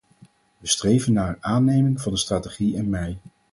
We streven naar aanneming van de strategie in mei.